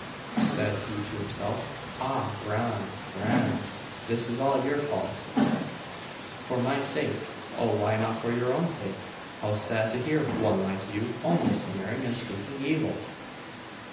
said he to himself. 'Ah, Bran, Bran, this is all your fault!' 'For my sake! Oh, why not for your own sake? How sad to hear one one like you, only sneering and speaking evil!